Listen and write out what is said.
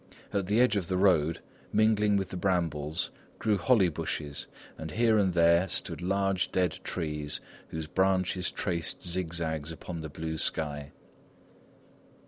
At the edge of the road, mingling with the brambles, grew holly bushes, and here and there stood large dead trees whose branches traced zigzags upon the blue sky.